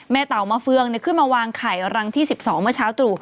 เต่ามาเฟืองขึ้นมาวางไข่รังที่๑๒เมื่อเช้าตรู่